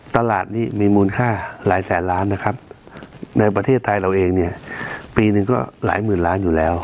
ตลาดนี้มีมูลค่าหลายแสนล้านนะครับในประเทศไทยเราเองเนี่ยปีหนึ่งก็หลายหมื่นล้านอยู่แล้ว